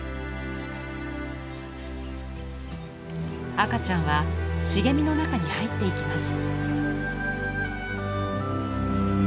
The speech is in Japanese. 赤ちゃんは茂みの中に入っていきます。